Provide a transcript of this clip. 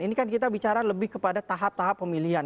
ini kan kita bicara lebih kepada tahap tahap pemilihan